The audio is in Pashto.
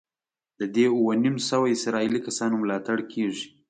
د دې اووه نیم سوه اسرائیلي کسانو ملاتړ کېږي.